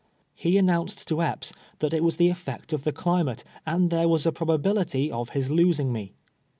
He announced to Epps that it was the effect of the climate, and there was a proba bility of his losing me.